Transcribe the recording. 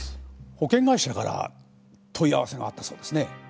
保険会社から問い合わせがあったそうですね。